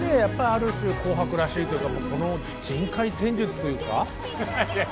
やっぱりある種「紅白」らしいというか人海戦術というか？